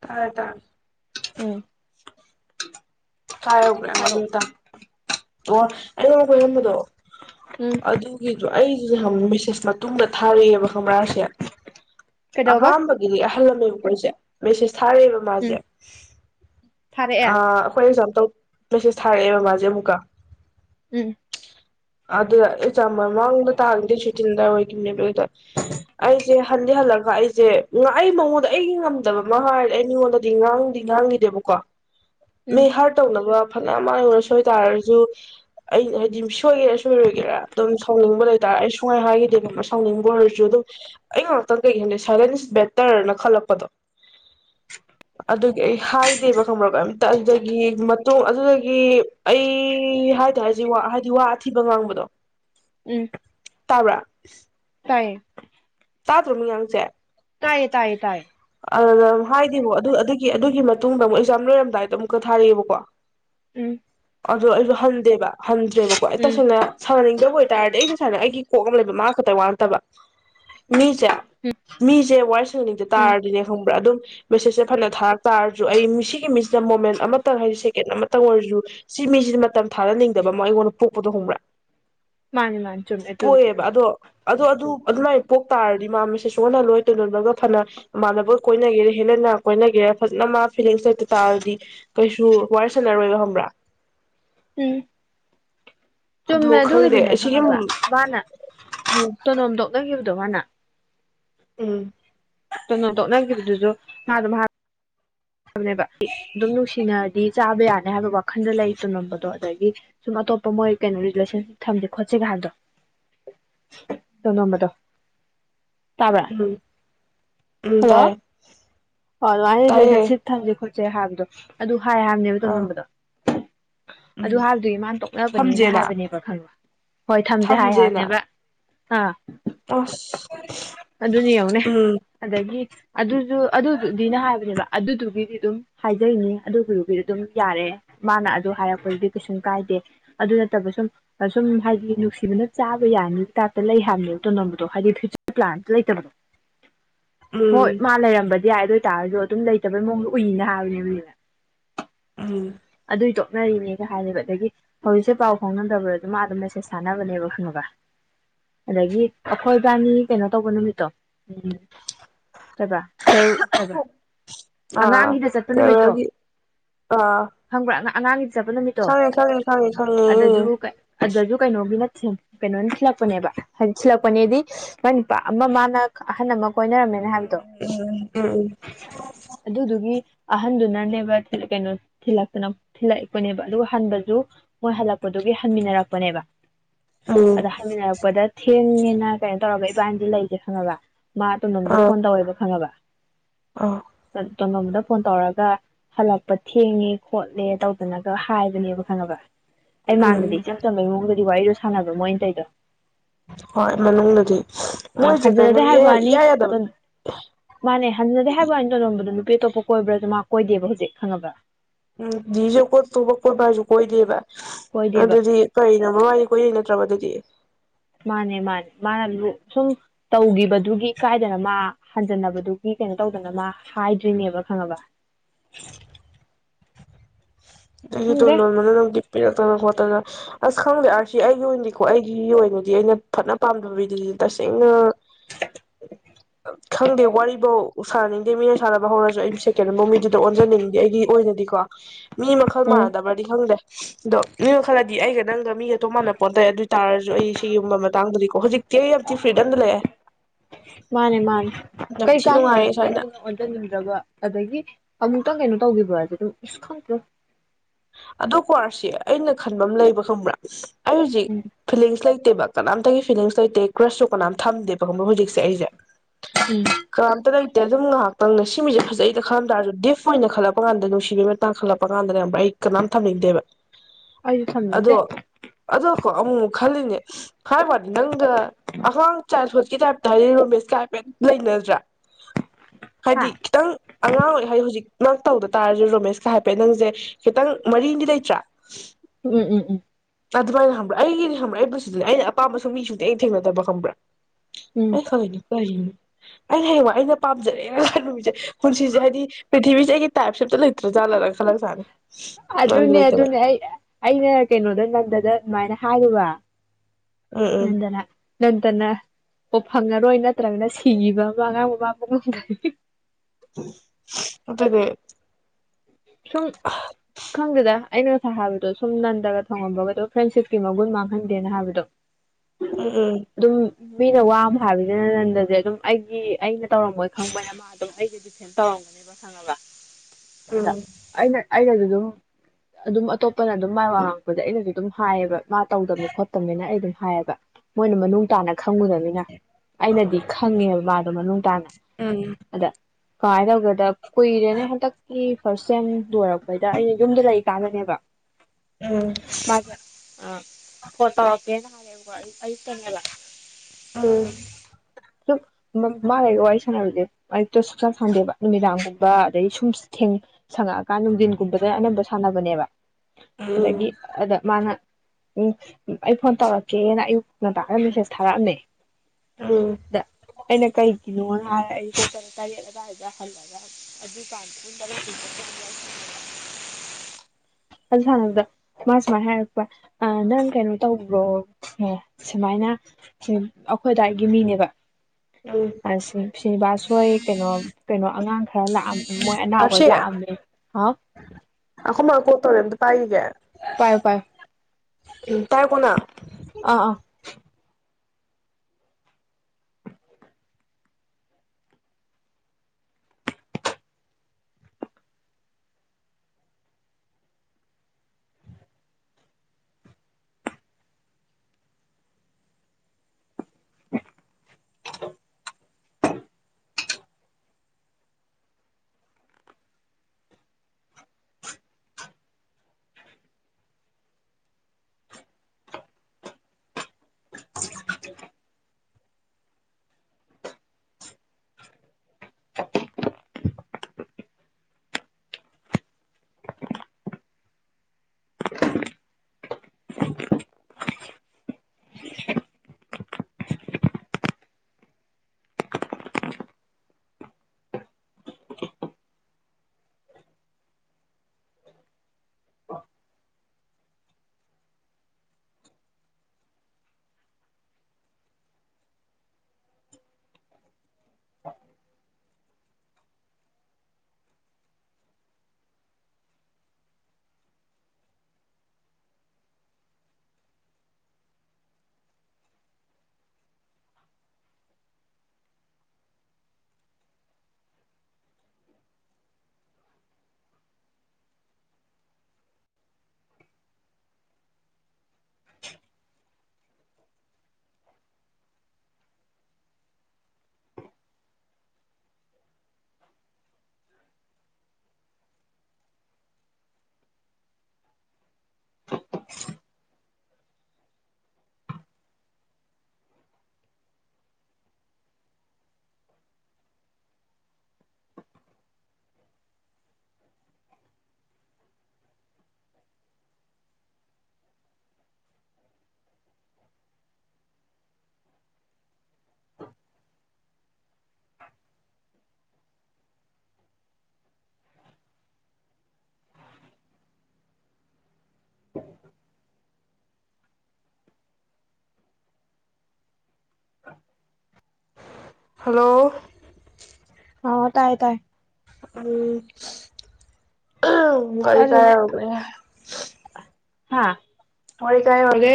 ꯇꯥꯏꯦ ꯇꯥꯏ ꯎꯝ ꯊꯥꯔꯛꯑꯣ [unintelligible] ꯎꯝ ꯑꯗꯨꯒꯤꯗꯣ ꯑꯩꯗꯨꯁꯨ ꯃꯦꯁꯦꯁ ꯃꯇꯨꯡꯗ ꯊꯥꯔꯛꯑꯦꯕ ꯈꯝꯔꯥꯁꯦ ꯀꯩꯗꯧꯕ ꯑꯍꯥꯝꯕꯒꯤꯗꯤ ꯑꯍꯜꯂꯝꯃꯦꯕ ꯀꯣ ꯑꯩꯁꯦ ꯃꯦꯁꯦꯁ ꯊꯥꯔꯛꯑꯦꯕ ꯃꯥꯁꯦ ꯎꯝ ꯑꯥ ꯊꯥꯔꯛꯑꯦ ꯑꯩꯈꯣꯏ ꯑꯦꯛꯖꯥꯝꯇꯧ ꯃꯦꯁꯦꯁ ꯊꯥꯔꯛꯑꯦꯕ ꯃꯥꯁꯦ ꯑꯃꯨꯛꯀ ꯎꯝ ꯑꯗꯨꯗ ꯑꯦꯖꯥꯝ ꯃꯃꯥꯡꯗ ꯇꯥꯗ ꯁꯨ ꯇꯤꯟꯗ ꯑꯣꯏꯈꯤꯕꯅꯦꯕ ꯑꯗꯨꯗ ꯑꯩꯁꯦ ꯍꯟꯗꯤ ꯍꯜꯂꯒ ꯑꯩꯁꯦ ꯑꯩ ꯃꯉꯣꯟꯗ ꯑꯩꯒꯤ ꯉꯝꯗꯕ ꯑꯃ ꯍꯥꯏꯔꯗꯤ ꯑꯩ ꯃꯤꯉꯣꯟꯗꯗꯤ ꯉꯥꯡꯗꯤ ꯉꯥꯡꯒꯤꯗꯦꯕꯀꯣ [unintelligible] ꯃꯤ ꯍꯥꯔꯠ ꯇꯧꯅꯕ ꯐꯅ ꯃꯥꯅ ꯁꯣꯏ ꯇꯥꯔꯁꯨ ꯑꯩ ꯍꯥꯏꯗꯤ ꯁꯣꯏꯒꯦꯔꯥ ꯁꯣꯏꯔꯣꯏꯒꯦꯔꯥ ꯑꯗꯨꯝ ꯁꯥꯎꯅꯤꯡꯕ ꯂꯩꯇꯥꯔꯦ ꯑꯩ ꯁꯨꯡꯉꯥꯏ ꯍꯥꯏꯈꯤꯗꯦꯕ ꯁꯥꯎꯅꯤꯡꯕ ꯑꯣꯏꯔꯁꯨ ꯑꯗꯨꯝ ꯑꯩ ꯉꯥꯛꯇꯪ ꯀꯩꯒꯤꯅ ꯁꯥꯏꯂꯦꯟꯁ ꯕꯦꯇꯔꯅ ꯈꯜꯂꯛꯄꯗꯣ꯫ ꯑꯗꯨꯒꯤ ꯑꯩ ꯍꯥꯏꯗꯦꯕ ꯈꯪ꯭ꯔꯕ ꯑꯝꯇ ꯑꯗꯨꯗꯒꯤ ꯃꯇꯨꯡ ꯑꯗꯨꯗꯒꯤ ꯑꯩ ꯍꯥꯏꯇꯥꯔꯦꯁꯤ ꯍꯥꯏꯗꯤ ꯋꯥ ꯑꯊꯤꯕ ꯉꯥꯡꯕꯗꯣ ꯎꯝ ꯇꯥꯕ꯭ꯔꯥ ꯇꯥꯏꯌꯦ ꯆꯥꯗ꯭ꯔꯣ ꯃꯤ ꯉꯥꯡꯖꯦ ꯇꯥꯏꯌꯦ ꯇꯥꯏꯌꯦ ꯇꯥꯏ ꯑꯗ ꯍꯥꯏꯗꯤꯕꯣ ꯑꯗꯨ ꯑꯗꯨꯒꯤ ꯑꯗꯨꯒꯤ ꯃꯇꯨꯡꯗ ꯑꯃꯨꯛ ꯑꯦꯛꯖꯥꯝ ꯂꯣꯏꯔꯝꯗꯥꯏꯗ ꯑꯃꯨꯛꯀ ꯊꯥꯔꯛꯑꯦꯕꯀꯣ ꯎꯝ ꯑꯗꯣ ꯑꯩꯁꯨ ꯍꯟꯗꯦꯕ ꯍꯟꯗ꯭ꯔꯦꯕꯀꯣ ꯑꯩ ꯎꯝ ꯇꯁꯦꯡꯅ ꯁꯥꯟꯅꯅꯤꯡꯗꯕ ꯑꯣꯏꯇꯥꯔꯗꯤ ꯑꯩꯉꯁꯥꯏꯅ ꯑꯩꯒꯤ ꯀꯣꯛ ꯑꯃ ꯂꯩꯕ ꯃꯥ ꯈꯛꯇꯪ ꯋꯥ ꯅꯠꯇꯕ ꯃꯤꯁꯦ ꯃꯤꯁꯦ ꯋꯥꯔꯤ ꯁꯟꯅꯤꯡꯇ ꯎꯝ ꯇꯥꯔꯗꯤꯅꯦ ꯈꯪꯕ꯭ꯔꯥ ꯑꯗꯨꯝ ꯃꯦꯁꯦꯁꯁꯦ ꯐꯅ ꯊꯥꯔꯛ ꯇꯥꯔꯁꯨ ꯑꯩ ꯁꯤꯒꯤ ꯃꯤꯁꯤꯅ ꯃꯣꯃꯦꯟ ꯑꯃꯇꯪ ꯍꯥꯏꯗꯤ ꯁꯦꯀꯦꯟ ꯑꯃꯇꯪ ꯑꯣꯏꯔꯁꯨ ꯁꯤ ꯃꯤꯁꯤꯗꯤ ꯃꯇꯝ ꯊꯥꯗ ꯅꯤꯡꯗꯕ ꯑꯃ ꯑꯩꯉꯣꯟꯗ ꯄꯣꯛꯄꯗꯣ ꯍꯣꯡꯕ꯭ꯔꯥ꯫ ꯃꯥꯅꯤ ꯃꯥꯅꯤ ꯆꯨꯝꯃꯦ ꯑꯗꯨꯕꯨꯗꯤ ꯄꯣꯏꯌꯦꯕ ꯑꯗꯣ ꯑꯗꯣ ꯑꯗꯨ ꯑꯗꯨ ꯂ ꯄꯣꯛ ꯇꯥꯔꯗꯤ ꯃꯥ ꯃꯤꯁꯦꯁ ꯁꯨꯛꯍꯟ ꯍꯟꯂꯣꯏ ꯇꯣꯏꯅꯂꯒ ꯐꯅ ꯃꯃꯥꯟꯅꯕ ꯀꯣꯏꯅꯒꯦ ꯍꯦꯟꯅꯟꯅ ꯀꯣꯏꯅꯒꯦ ꯐꯖꯅ ꯃꯥ ꯐꯤꯂꯤꯡꯁ ꯂꯩꯇ ꯇꯥꯔꯗꯤ ꯀꯩꯁꯨ ꯋꯥꯔꯤ ꯁꯥꯟꯅꯔꯣꯏꯕ ꯈꯪꯕ꯭ꯔꯥ ꯎꯝ ꯆꯨꯝꯃꯦ ꯑꯗꯣ ꯈꯪꯗꯦ ꯑꯗꯨꯒꯤꯗꯤꯅꯦ ꯑꯁꯤꯒꯤ ꯈꯪꯉꯕ ꯎꯝ ꯃꯥꯅ ꯇꯣꯂꯣꯝ ꯇꯣꯛꯅꯒꯤꯕꯗꯣ ꯃꯥꯅ ꯎꯝ ꯇꯣꯂꯣꯝ ꯇꯣꯛꯅꯒꯤꯕꯗꯨꯁꯨ ꯃꯥꯗꯣ ꯃꯍꯥꯛ ꯅꯦꯕ ꯑꯗꯨꯝ ꯅꯨꯡꯁꯤꯅꯔꯗꯤ ꯆꯥꯕ ꯌꯥꯅꯤ ꯍꯥꯏꯕ ꯋꯥꯈꯟꯗ ꯂꯩ ꯆꯨꯝꯃꯝꯕꯗꯣ ꯑꯗꯒꯤ ꯁꯨꯝ ꯑꯇꯣꯞꯄ ꯃꯣꯏ ꯀꯩꯅꯣ ꯔꯤꯂꯦꯁꯟ ꯊꯝꯁꯦ ꯈꯣꯠꯁꯦꯒ ꯍꯥꯏꯕꯗꯣ ꯆꯨꯃꯝꯕꯗꯣ ꯎꯝ ꯎꯝ ꯇꯥꯏ ꯑꯣ ꯑꯗꯨꯃꯥꯏꯅ ꯇꯥꯏꯌꯦ ꯔꯤꯂꯦꯁꯟꯁꯤꯞ ꯊꯝꯖꯦ ꯈꯣꯠꯁꯦ ꯍꯥꯏꯕꯗꯣ ꯑꯗꯨ ꯍꯥꯏ ꯍꯥꯏꯅꯦꯕ ꯑꯥ ꯇꯣꯉꯝꯕꯗꯣ ꯑꯗꯨ ꯎꯝ ꯍꯥꯏꯕꯗꯒꯤ ꯃꯥꯅ ꯇꯣꯛꯅꯕꯅꯦꯅ ꯊꯝꯖꯦꯅ ꯍꯥꯏꯕꯅꯦꯕ ꯈꯪ [unintelligible] ꯍꯣꯏ ꯊꯝꯁꯦ ꯍꯥꯏ ꯊꯝꯖꯦꯅ ꯍꯥꯏꯅꯦꯕ ꯑꯥ ꯑꯁ ꯑꯗꯨꯅꯦ ꯌꯦꯡꯉꯨꯅꯦ ꯎꯝ ꯑꯗꯒꯤ ꯑꯗꯨꯖꯨ ꯑꯗꯨꯗꯨꯗꯤꯅ ꯍꯥꯏꯕꯅꯦꯕ ꯑꯗꯨꯗꯨꯒꯤꯗꯤ ꯑꯗꯨꯝ ꯍꯥꯏꯖꯩꯅꯤ ꯑꯗꯨꯗꯨꯗꯤ ꯑꯗꯨꯝ ꯌꯥꯔꯦ ꯃꯥꯅ ꯑꯗꯨ ꯍꯥꯏꯔꯛꯄꯩꯗꯤ ꯀꯩꯁꯨꯝ ꯀꯥꯏꯗꯦ ꯑꯗꯨ ꯅꯠꯇꯕ ꯁꯨꯝ ꯑꯁꯨꯝ ꯍꯥꯏꯗꯤ ꯅꯨꯡꯁꯤꯕꯅ ꯆꯥꯕ ꯌꯥꯅꯤ ꯇꯥꯏꯞꯇ ꯂꯩ ꯍꯥꯏꯅꯦꯕ ꯇꯣꯗꯣꯟꯕꯗꯣ ꯍꯥꯏꯗꯤ ꯐ꯭ꯌꯨꯆꯔ ꯄ꯭ꯂꯥꯟ ꯑꯝꯇ ꯂꯩꯇꯕꯗꯣ [inaudible] ꯍꯣꯏ ꯎꯝ ꯃꯥ ꯂꯩꯔꯝꯕꯗꯤ ꯌꯥꯏ ꯑꯗꯨ ꯑꯣꯏꯇꯥꯔꯖꯨ ꯑꯗꯨꯝ ꯂꯩꯇꯕꯩ ꯃꯑꯣꯡꯗ ꯎꯏꯅ ꯍꯥꯏꯕꯅꯦ [unintelligible] ꯎꯝ ꯑꯗꯨꯏ ꯇꯣꯛꯅꯔꯤꯅꯦꯒ ꯍꯥꯏꯔꯦꯕ ꯑꯗꯒꯤ ꯍꯧꯖꯤꯛꯁꯦ ꯄꯥꯎ ꯐꯥꯎꯅꯗꯕ꯭ꯔꯥ ꯑꯗꯨꯝ ꯃꯥ ꯑꯗꯨꯝ ꯃꯦꯁꯦꯁ ꯊꯥꯅꯕꯅꯦꯕ ꯈꯪꯉꯕꯥ ꯑꯗꯒꯤ ꯑꯩꯈꯣꯏꯕꯥꯅꯤ ꯀꯩꯅꯣ ꯇꯧꯕ ꯅꯨꯃꯤꯠꯇꯣ ꯎꯝ ꯀꯩꯕ ꯈꯦꯔ ꯑꯥ ꯑꯉꯥꯡꯒꯤꯗ ꯆꯠꯄ ꯅꯨꯃꯤꯠꯇꯣ ꯐꯦꯔꯋꯦꯜꯒꯤ ꯑꯥ ꯈꯪꯕ꯭ꯔꯥ ꯑꯉꯥꯡ ꯑꯉꯥꯡꯒꯤꯗ ꯆꯠꯄ ꯅꯨꯃꯤꯠꯇꯣ ꯈꯪꯉꯦ ꯈꯪꯉꯦ ꯈꯪꯉꯦ ꯈꯪꯉꯦ ꯑꯗꯨꯁꯨ ꯑꯗꯨꯁꯨ ꯀꯩꯅꯣꯒꯤꯅ ꯀꯩꯅꯣꯅ ꯊꯤꯜꯂꯛꯄꯅꯦꯕ ꯍꯥꯏ ꯊꯤꯜꯂꯛꯄꯅꯦ ꯍꯥꯏꯗꯤ ꯃꯥꯏ ꯅꯨꯄꯥ ꯑꯃ ꯃꯥꯅ ꯑꯍꯟ ꯑꯃ ꯀꯣꯏꯅꯔꯝꯃꯦꯅ ꯍꯥꯏꯕꯗꯣ ꯎꯝ ꯎꯝ ꯑꯗꯨꯗꯨꯒꯤ ꯑꯍꯟꯗꯨꯅ ꯅꯦꯕ ꯀꯩꯅꯣ ꯊꯤꯜꯂꯛꯇꯅ ꯊꯤꯜꯂꯛꯂꯄꯅꯦꯕ ꯑꯗꯨꯒ ꯍꯟꯕꯁꯨ ꯃꯣꯏ ꯍꯜꯂꯛꯄꯗꯨꯒꯤ ꯍꯟꯃꯤꯟꯅꯔꯛꯄꯅꯦꯕ ꯎꯝ ꯑꯗꯣ ꯍꯟꯃꯤꯟꯅꯔꯛꯄꯗ ꯊꯦꯡꯉꯦꯅ ꯀꯩꯅꯣ ꯇꯧꯔꯒ ꯏꯕꯥꯅꯤꯗꯤ ꯂꯩꯁꯦ ꯈꯪꯉꯕ ꯃꯥ ꯇꯣꯝꯗꯣꯝꯗ ꯑꯥ ꯐꯣꯟ ꯇꯧꯋꯦꯕ ꯈꯪꯉꯕ ꯑꯥ ꯇꯣꯟꯗꯣꯝꯕꯗ ꯐꯣꯟ ꯇꯧꯔꯒ ꯍꯜꯂꯛꯄ ꯊꯦꯡꯉꯦ ꯈꯣꯠꯂꯦ ꯇꯧꯗꯅꯒ ꯍꯥꯏꯕꯅꯦꯕ ꯈꯪꯉꯕ ꯑꯩ ꯃꯥꯡꯗꯗꯤ ꯎꯝ ꯏꯆꯝ ꯆꯝꯕꯩ ꯃꯋꯣꯡꯗꯗꯤ ꯋꯥꯔꯤꯗꯣ ꯁꯥꯟꯅꯕ ꯃꯣꯏꯅ ꯇꯩꯗꯣ ꯍꯣꯏ ꯃꯅꯨꯡꯗꯗꯤ ꯃꯣꯏꯁꯦ ꯍꯟꯖꯟꯅꯗꯦ ꯀꯩꯅꯣꯝ ꯍꯥꯏꯕ ꯋꯥꯅꯤ ꯏꯌꯥ ꯌꯥꯗꯕꯅꯤ ꯃꯥꯅꯦ ꯍꯟꯅꯗꯦ ꯍꯥꯏꯕ ꯋꯥꯅꯦ ꯇꯣꯟꯗꯣꯟꯕꯗꯣ ꯅꯨꯄꯤ ꯑꯇꯣꯞꯄ ꯀꯣꯏꯕꯔꯥꯁꯨ ꯃꯥ ꯀꯣꯏꯗꯦꯕ ꯍꯧꯖꯤꯛ ꯈꯪꯉꯥꯕ ꯎꯝ ꯗꯤꯁꯨ ꯑꯇꯣꯞꯄ ꯀꯣꯢꯕꯔ ꯍꯥꯏꯁꯨ ꯀꯣꯏꯗꯦꯕ ꯀꯣꯏꯗꯦꯕ ꯑꯗꯨꯗꯤ ꯀꯔꯤꯅꯣ ꯃꯕꯥꯟꯅꯤ ꯀꯣꯏꯅꯩ ꯅꯠꯇ꯭ꯔꯕ ꯑꯗꯨꯗꯤ ꯃꯥꯅꯦ ꯃꯥꯅꯦ ꯃꯥꯅꯁꯨ ꯁꯨꯝ ꯇꯧꯈꯤꯕꯗꯨꯒꯤ ꯀꯥꯏꯗꯅ ꯃꯥ ꯍꯟꯖꯟꯅꯕꯗꯨꯒꯤ ꯀꯩꯅꯣ ꯇꯧꯗꯅ ꯃꯥ ꯍꯥꯏꯗ꯭ꯔꯤꯅꯦꯕ ꯈꯪꯉꯕ ꯈꯪꯗꯦ ꯇꯣꯟꯗꯣꯟꯕꯅ ꯅꯪ ꯒꯤꯐ ꯄꯤꯔꯛꯇꯅ ꯈꯣꯠꯇꯅ ꯑꯁ ꯈꯪꯗꯦ ꯑꯥꯔꯁꯤ ꯑꯩꯒꯤ ꯑꯣꯏꯅꯗꯤꯀꯣ ꯑꯩꯒꯤ ꯑꯣꯏꯅꯗꯤ ꯑꯩꯅ ꯐꯅ ꯄꯥꯝꯗꯕ ꯃꯗꯗꯤ ꯇꯁꯦꯡꯅ ꯇ [inaudible] ꯈꯪꯗꯦ ꯋꯥꯔꯤꯐꯧ ꯁꯥꯟꯅꯅꯤꯡꯗꯦ ꯃꯤꯅ ꯁꯥꯟꯅꯕ ꯍꯧꯔꯁꯨ ꯑꯩꯗꯤ ꯁꯦꯀꯦꯟ ꯑꯃ ꯃꯤꯗꯨꯗ ꯑꯣꯟꯖꯅꯤꯡꯗꯦ ꯑꯩꯒꯤ ꯑꯣꯏꯅꯗꯤꯀꯣ ꯃꯤ ꯃꯈꯜ ꯎꯝ ꯃꯥꯟꯅꯗꯕ꯭ꯔꯗꯤ ꯈꯪꯗꯦ ꯑꯗꯣ ꯃꯤꯅ ꯃꯈꯥꯜ ꯍꯥꯢꯗꯤ ꯑꯩꯒ ꯅꯪꯒ ꯃꯤꯒ ꯃꯥꯟꯅ ꯄꯣꯠꯇꯦ ꯑꯗꯨ ꯑꯣꯏ ꯇꯥꯔꯁꯨ ꯑꯩ ꯁꯤꯒꯨꯝꯕ ꯃꯇꯥꯡꯗꯗꯤꯀꯣ ꯍꯧꯖꯤꯛ ꯌꯥꯝ ꯊꯤ ꯐ꯭ꯔꯤꯗꯝꯗ ꯂꯩꯑꯦ ꯃꯥꯅꯦ ꯌꯥꯝ ꯊꯤ ꯅꯨꯡꯉꯥꯏꯌꯦ ꯁꯥꯏꯅ ꯗ꯭ꯔꯕ ꯑꯗꯒꯤ ꯑꯃꯨꯛꯇꯪ ꯀꯩꯅꯣ ꯇꯧꯈꯤꯕ ꯍꯥꯏꯗꯤ ꯑꯗꯨꯝ ꯏꯁ ꯈꯪꯗꯦꯗ ꯑꯗꯣ ꯑꯥꯔꯁꯤ ꯑꯩꯅ ꯈꯟꯕ ꯑꯃ ꯂꯩꯕ ꯈꯪꯕ꯭ꯔꯥ ꯑꯩ ꯍꯧꯖꯤꯛ ꯎꯝ ꯐꯤꯂꯤꯡꯁ ꯂꯩꯇꯦꯕ ꯀꯅꯥꯝꯇꯒꯤ ꯐꯤꯂꯤꯡꯁ ꯂꯩꯇꯦ ꯀ꯭ꯔꯁꯁꯨ ꯀꯅꯥꯝ ꯊꯝꯗꯦꯕ ꯈꯪꯕ ꯍꯧꯖꯤꯛꯁꯦ ꯑꯩꯁꯦ ꯎꯝ ꯀꯅꯥꯝꯇ ꯂꯩꯇꯦ ꯑꯗꯨꯝ ꯉꯥꯏꯍꯥꯛꯇꯪꯅ ꯁꯤꯃꯤꯁꯦ ꯐꯖꯩꯗ ꯈꯜꯂꯝ ꯇꯥꯔꯁꯨ ꯗꯤꯐ ꯑꯣꯏꯅ ꯈꯜꯂꯛꯄ ꯀꯥꯟꯗ ꯅꯨꯡꯁꯤꯕꯒꯤ ꯇꯥꯡꯈꯠꯂꯛꯄ ꯀꯥꯟꯗꯅꯦꯕ ꯑꯩ ꯀꯅꯥꯝ ꯊꯝꯅꯤꯡꯗꯦꯕ ꯑꯩꯁꯨ ꯑꯗꯣ ꯊꯝꯅꯤꯡꯗꯦ ꯑꯗꯣꯀꯣ ꯑꯃꯨꯛ ꯑꯃꯨꯛ ꯈꯜꯂꯤꯅꯦ ꯍꯥꯏꯕꯋꯥꯅꯦ ꯅꯪꯒ ꯑꯉꯥꯡ ꯆꯥꯏꯜꯍꯨꯠꯀꯤ ꯇꯥꯏꯞꯇ ꯍꯥꯏꯗꯤ ꯔꯨꯝꯃꯦꯠꯒ ꯍꯥꯢꯐꯦꯠ ꯂꯩꯅꯗ꯭ꯔꯥ ꯉ [unintelligible] ꯍꯥꯏꯗꯤ ꯈꯤꯇꯪ ꯑꯉꯥꯡ ꯑꯣꯏ ꯍꯥꯏ ꯍꯧꯖꯤꯛ ꯅꯪ ꯇꯧꯗ ꯇꯥꯔꯁꯨ ꯔꯨꯝꯃꯦꯠꯀ ꯍꯥꯏꯐꯦꯠ ꯅꯪꯁꯦ ꯈꯩꯇꯪ ꯃꯔꯤꯗꯤ ꯂꯩꯇ꯭ꯔꯥ ꯎꯝ ꯎꯝ ꯎꯝ ꯑꯗꯨꯃꯥꯏꯅ ꯈꯪꯕ꯭ꯔꯥ ꯑꯩꯒꯤꯗꯤ ꯈꯪꯕ꯭ꯔꯥ ꯑꯩ ꯄꯨꯟꯁꯤꯗꯗꯤ ꯑꯩꯅ ꯑꯄꯥꯝꯕ ꯃꯤꯁꯨ ꯑꯩꯅ ꯊꯦꯡꯅꯗꯕ ꯈꯪꯕ꯭ꯔꯥ ꯎꯝ ꯑꯩ ꯈꯜꯂꯤꯅꯤ ꯀꯩꯅꯣ ꯑꯩꯅ ꯍꯌꯦꯡꯋꯥꯏ ꯑꯩꯅ ꯄꯥꯝꯖꯔꯦ ꯈꯟꯕ ꯃꯤꯁꯦ ꯄꯨꯟꯁꯤꯁꯦ ꯍꯥꯏꯗꯤ ꯄ꯭ꯔꯤꯊꯤꯕꯤꯁꯦ ꯑꯩꯒꯤ ꯇꯥꯏꯞꯁꯦ ꯑꯝꯇ ꯂꯩꯇ꯭ꯔꯥ ꯆꯥꯠꯂꯒ ꯈꯜꯂꯛ ꯆꯥꯠꯅꯤ ꯑꯗꯨꯅꯦ ꯑꯗꯨꯅꯦ ꯑꯩ ꯑꯩꯅ ꯀꯩꯅꯣꯗ ꯅꯟꯗꯗ ꯑꯗꯨꯃꯥꯏꯅ ꯍꯥꯏꯔꯨꯕ ꯎꯝ ꯎꯝ ꯅꯟꯗꯅ ꯅꯟꯗꯅ ꯑꯣ ꯐꯪꯉꯔꯣꯏ ꯅꯠꯇ꯭ꯔꯒꯅ ꯁꯤꯈꯤꯕ ꯑꯃ ꯑꯉꯥꯡ ꯃꯃꯥ ꯄꯨꯛꯅꯨꯡꯗꯒꯤ ꯑꯗꯨꯅꯦ ꯁꯨꯝ ꯈꯪꯪꯗꯦꯗ ꯑꯩꯅ ꯉꯁꯥꯏ ꯍꯥꯏꯕꯗꯣ ꯁꯨꯝ ꯅꯟꯗꯒ ꯊꯣꯡꯉꯝꯕꯒꯗꯣ ꯐ꯭ꯔꯦꯟꯁꯤꯞꯀꯤ ꯃꯒꯨꯟ ꯃꯥꯡꯍꯟꯗꯦꯅ ꯍꯥꯏꯕꯗꯣ ꯎꯝ ꯎꯝ ꯑꯗꯨꯝ ꯃꯤꯅ ꯋꯥꯝꯃ ꯍꯥꯏꯕꯖꯤꯅ ꯅꯟꯗꯖꯦ ꯑꯗꯨꯝ ꯑꯩꯒꯤ ꯑꯩꯅ ꯇꯧꯔꯝꯃꯣꯏ ꯈꯪꯕꯅꯤꯅ ꯃꯥ ꯑꯗꯨꯝ ꯑꯩꯩ [inaudible] ꯁꯦꯕ ꯇꯧꯔꯝꯒꯅꯤꯕ ꯈꯪꯉꯕ ꯑꯗ ꯎꯝ ꯑꯩꯅ ꯑꯩꯩꯅꯖꯨ ꯑꯗꯨꯝ ꯑꯗꯨꯝ ꯑꯇꯣꯞꯄꯅ ꯑꯗꯨꯝ ꯃꯥꯏ ꯋꯥ ꯉꯥꯡꯉꯛꯄꯖꯦ ꯑꯩꯅꯖꯨ ꯑꯗꯨꯝ ꯍꯥꯏꯌꯦꯕ ꯃꯥ ꯇꯧꯗꯕꯅꯤ ꯈꯣꯠꯇꯕꯅꯤꯅ ꯑꯩ ꯑꯗꯨꯝ ꯍꯥꯏꯌꯦꯕ꯫ ꯃꯣꯏꯅ ꯃꯅꯨꯡ ꯇꯥꯅ ꯈꯪꯉꯨꯗꯕꯅꯤꯅ꯫ ꯑꯩꯅꯗꯤ ꯈꯪꯉꯦꯕ ꯃꯥꯗꯣ ꯃꯅꯨꯡ ꯇꯥꯅ ꯎꯝ ꯑꯗ ꯀꯃꯥꯏ ꯇꯧꯒꯦꯗ ꯀꯨꯏꯔꯦꯅꯦ ꯍꯟꯇꯛꯀꯤ ꯐꯥꯔꯁ ꯁꯦꯝ ꯂꯣꯏꯔꯛꯄꯩꯗ ꯑꯩꯅ ꯌꯨꯝꯗ ꯂꯩꯔꯤꯀꯥꯟꯗꯅꯦꯕ꯫ ꯎꯝ ꯃꯥꯖꯦ ꯑ ꯐꯣꯟ ꯇꯧꯔꯛꯀꯦꯅ ꯍꯥꯏꯔꯛꯑꯦꯕꯀꯣ ꯑꯌꯨꯛꯇꯅꯦꯕ꯫ ꯎꯝ ꯑꯗꯨ ꯁꯨꯝ ꯃꯥ-ꯃꯥꯒ ꯑꯩꯒ ꯋꯥꯔꯤ ꯁꯥꯟꯅꯕꯖꯦ ꯑꯌꯨꯛꯇ ꯁꯨꯛꯁꯥꯟ ꯁꯥꯟꯅꯗꯦꯕ ꯅꯨꯃꯤꯗꯥꯡꯒꯨꯝꯕ ꯑꯗꯗꯒꯤ ꯁꯨꯝ ꯊꯦꯡ ꯁꯪꯉꯛꯑꯀꯥꯟ ꯅꯨꯡꯗꯤꯟꯒꯨꯝꯕꯗ ꯑꯅꯝꯕ ꯁꯥꯟꯅꯕꯅꯦꯕ ꯎꯝ ꯑꯗꯒꯤ ꯎꯝ ꯑꯗ ꯃꯥꯅ ꯎꯝ ꯑꯩ ꯐꯣꯟ ꯇꯧꯔꯛꯀꯦꯅ ꯑꯌꯨꯛ ꯉꯟꯇꯥꯗ ꯃꯦꯁꯦꯁ ꯊꯥꯔꯛꯑꯝꯃꯦ꯫ ꯎꯝ ꯗ ꯑꯩꯅ ꯀꯩꯒꯤꯅꯣ ꯍꯥꯏꯔ ꯑꯩ ꯇꯔꯦꯠ ꯑꯗꯥꯏꯗ ꯍꯜꯂꯒ ꯑꯗꯨ ꯀꯥꯟ [inaudible] ꯃꯥ ꯁꯨꯃꯥꯏꯅ ꯍꯥꯏꯔꯛꯄ ꯑ ꯅꯪ ꯀꯩꯅꯣ ꯇꯧꯕ꯭ꯔꯣ ꯁꯨꯃꯥꯏꯅ ꯁꯤꯝ ꯑꯈꯣꯏ ꯑꯗꯥꯏꯒꯤ ꯃꯤꯅꯦꯕ ꯎꯝ ꯑ ꯁ꯭ꯔꯤ ꯁ꯭ꯔꯤꯅꯤꯕꯥꯁꯍꯣꯏ ꯀꯩꯅꯣ ꯀꯩꯅꯣ ꯑꯉꯥꯡ ꯈ꯭ꯔ ꯂꯥꯛꯑꯝ ꯃꯣꯏ ꯑꯅꯥꯎ ꯍꯣꯏ ꯑꯁꯤ ꯂꯥꯛꯑꯝꯃꯦ ꯍꯥꯎ ꯑꯈꯣꯏꯃꯥ ꯀꯣꯜ ꯇꯧꯔꯛꯑꯦ ꯑꯝꯇ ꯄꯥꯏꯒꯤꯒꯦ꯫ ꯄꯥꯏꯌꯣ ꯄꯥꯏꯌꯣ ꯎꯝ ꯄꯥꯏꯌꯨꯀꯣ ꯅꯪ ꯑꯥ ꯑꯥ ꯍꯜꯂꯣ ꯑ ꯇꯥꯏꯌꯦ ꯇꯥꯏꯌꯦ ꯎꯝ ꯑꯝ ꯋꯥꯔꯤ ꯀꯥꯏ ꯌꯧꯒ꯭ꯔꯦ ꯍꯥꯥ ꯋꯥꯔꯤ ꯀꯔꯥꯏ ꯌꯧꯔꯒꯦ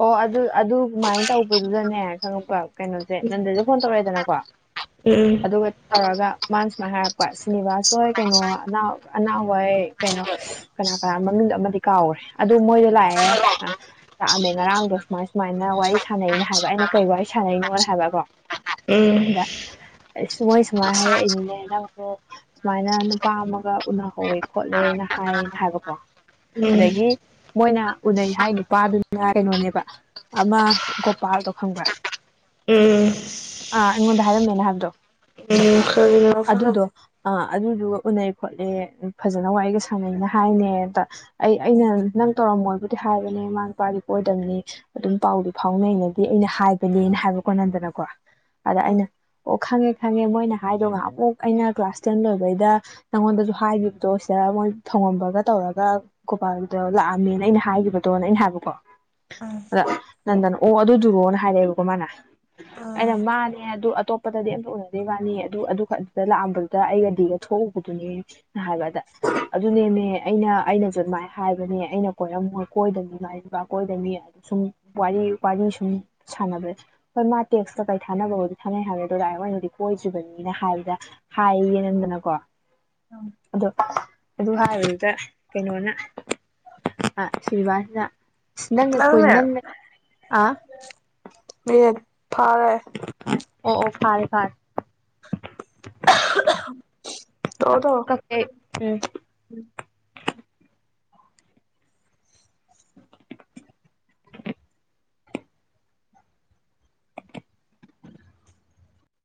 ꯑꯣ ꯑꯗꯨ ꯑꯗꯨꯃꯥꯏꯟ ꯇꯧꯕꯗꯨꯗꯅꯦ ꯈꯪꯉꯛꯄ ꯀꯩꯅꯣꯖꯦ ꯅꯟꯗꯗ ꯐꯣꯟ ꯇꯧꯔꯛꯑꯦꯗꯅꯀꯣ [unintelligible] ꯎꯝꯎꯝ ꯑꯗꯨꯒ ꯇꯧꯔꯒ ꯃꯥꯅ ꯁꯨꯃꯥꯏ ꯍꯥꯏꯔꯛꯄ ꯁ꯭ꯔꯤꯅꯤꯕꯥꯁ ꯍꯣꯏ ꯀꯩꯅꯣ ꯑꯅꯥꯎ ꯑꯅꯥꯎ ꯍꯣꯏ ꯀꯩꯅꯣ ꯑꯁ ꯀꯅꯥ ꯀꯅꯥꯅꯣ ꯃꯃꯤꯡꯗꯣ ꯑꯃꯗꯤ ꯀꯥꯎꯒ꯭ꯔꯦ ꯑꯗꯨ ꯃꯣꯏꯗ ꯂꯥꯛꯑꯦ ꯑ ꯂꯥꯛꯑꯝꯃꯦ ꯉꯔꯥꯡꯗꯣ ꯁꯨꯃꯥꯏ ꯁꯨꯃꯥꯏꯅ ꯋꯥꯔꯤ ꯁꯥꯟꯅꯩꯅꯦ ꯍꯥꯏꯕ ꯑꯩꯅ ꯀꯩ ꯋꯥꯔꯤ ꯁꯥꯟꯅꯅꯣꯅ ꯍꯥꯏꯕꯀꯣ ꯎꯝ ꯑꯗ ꯑꯁ ꯃꯣꯏ ꯁꯨꯃꯥꯏꯟ ꯍꯥꯏꯔꯛꯏꯅꯤꯅꯦ ꯅꯪꯗꯣ ꯁꯨꯃꯥꯏꯅ ꯅꯨꯄꯥ ꯑꯃꯒ ꯎꯅꯍꯧꯋꯦ ꯈꯣꯠꯂꯦꯅ ꯍꯥꯏꯌꯦꯅ ꯍꯥꯏꯕꯀꯣ ꯎꯝ ꯑꯗꯒꯤ ꯃꯣꯏꯅ ꯎꯅꯩ ꯍꯥꯏ ꯅꯨꯄꯥꯗꯨꯅ [unintelligible] ꯀꯩꯅꯣꯅꯦꯕ ꯑꯃ ꯒꯣꯄꯥꯜꯗꯣ ꯈꯪꯕ꯭ꯔꯥ ꯎꯝ ꯑꯥ ꯑꯩꯉꯣꯟꯗ ꯍꯥꯏꯔꯝꯃꯦꯅ ꯍꯥꯏꯕꯗꯣ ꯎꯝ ꯀꯔꯤꯅꯣ ꯑꯗꯨꯗꯣ ꯂꯧꯁꯜꯂꯨꯕꯗꯣ ꯑ ꯑꯗꯨꯗꯨꯒ ꯎꯅꯩ ꯈꯣꯠꯂꯦ ꯐꯖꯅ ꯋꯥꯔꯤꯒ ꯁꯥꯟꯅꯩꯅ ꯍꯥꯏꯅꯦꯕ ꯑꯩ ꯑꯩꯅ ꯅꯪ ꯇꯧꯔꯝꯃꯣꯏꯕꯨꯗꯤ ꯍꯥꯏꯕꯅꯦ ꯃꯥꯅ ꯇꯥꯒꯤ ꯀꯣꯏꯗꯕꯅꯤ ꯑꯗꯨꯝ ꯄꯥꯎꯗꯤ ꯐꯥꯎꯅꯩꯅꯗꯤ ꯑꯩꯅ ꯍꯥꯏꯕꯅꯦꯅ ꯍꯥꯏꯕꯀꯣ ꯅꯟꯗꯅꯀꯣ ꯑꯗ ꯑꯩꯅ ꯑꯣ ꯈꯪꯉꯦ ꯈꯪꯉꯦ ꯃꯣꯏꯅ ꯍꯥꯏꯗꯣ ꯉꯍꯥꯟꯃꯨꯛ ꯑꯩꯅ ꯀ꯭ꯂꯥꯁ ꯇꯦꯟ ꯂꯣꯏꯕꯩꯗ ꯅꯪꯉꯣꯟꯗꯖꯨ ꯍꯥꯏꯒꯤꯕꯗꯣ ꯁꯤꯗ ꯃꯣꯏ ꯊꯧꯉꯝꯕꯒ ꯇꯧꯔꯒ ꯒꯣꯕꯥꯜꯒ ꯇꯧꯔ ꯂꯥꯛꯑꯝꯃꯦꯅ ꯑꯩꯅ ꯍꯥꯏꯒꯤꯕꯗꯣꯅ ꯑꯩꯅ ꯍꯥꯏꯕꯀꯣ ꯎꯝ ꯑꯗ ꯅꯟꯗꯟ ꯑꯣ ꯑꯗꯨꯗꯨꯔꯣꯅ ꯍꯥꯏꯔꯛꯑꯦꯕꯀꯣ ꯃꯥꯅ ꯎꯝ ꯑꯩꯅ ꯃꯥꯅꯦ ꯑꯗꯨ ꯑꯇꯣꯞꯄꯗꯗꯤ ꯑꯝꯇ ꯎꯅꯗꯦ ꯏꯕꯥꯟꯅꯤ ꯑꯗꯨ ꯑꯗꯨꯈꯛ ꯑꯗꯨꯗ ꯂꯥꯛꯑꯝꯕꯗꯨ ꯗ ꯑꯩꯒ ꯗꯤꯒ ꯊꯣꯛꯎꯕꯗꯨꯅꯦ꯫ ꯍꯥꯏꯕ ꯑꯗ ꯑꯗꯨꯅꯦꯃꯦ ꯑꯩꯅ ꯑꯩꯅꯖꯨ ꯑꯗꯨꯃꯥꯏ ꯍꯥꯏꯕꯅꯦ ꯑꯩꯅ ꯀꯣꯏꯔꯝꯃꯣꯏ ꯀꯣꯏꯗꯕꯅꯤ ꯃꯥꯗꯤ ꯅꯨꯄꯥ ꯀꯣꯏꯗꯃꯤ ꯁꯨꯝ ꯋꯥꯔꯤ ꯋꯥꯔꯤ ꯁꯨꯝ ꯁꯥꯟꯅꯕꯅꯦ ꯍꯣꯏ ꯃꯥ ꯇꯦꯛꯁ ꯈꯇꯪ ꯊꯥꯅꯕꯕꯨꯗꯤ ꯊꯥꯅꯩ ꯍꯥꯏꯕꯅꯤ ꯑꯗꯣ ꯗꯥꯏꯔꯦꯛ ꯑꯣꯏꯅꯗꯤ ꯀꯣꯏꯗ꯭ꯔꯤꯕꯅꯤꯅ ꯍꯥꯏꯕꯗ ꯍꯥꯏꯌꯦ ꯅꯟꯗꯅꯀꯣ [unintelligible] ꯑꯗꯣ [unintelligible] ꯑꯗꯨ ꯍꯥꯏꯔꯨꯕꯗ ꯀꯩꯅꯣꯅ ꯑ ꯁꯔꯤꯅꯤꯕꯥꯁꯅ ꯅꯪꯅꯦ ꯑꯥ ꯃꯤꯅꯤꯠ ꯐꯥꯔꯦ ꯑꯣ ꯑꯣ ꯐꯥꯔꯦ ꯐꯥꯔꯦ ꯇꯧꯔꯣ ꯃꯁꯛ ꯇꯧꯔꯣ ꯀꯛꯀꯦ ꯎꯝ [unintelligible]